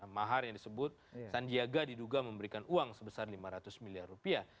mahar yang disebut sandiaga diduga memberikan uang sebesar lima ratus miliar rupiah